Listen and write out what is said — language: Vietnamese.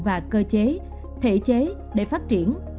và cơ chế thể chế để phát triển